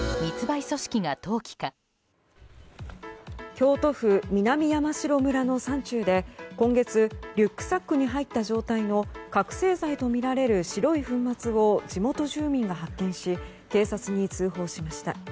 京都府南山城村の山中で今月、リュックサックに入った状態の覚醒剤とみられる白い粉末を地元住民が発見し警察に通報しました。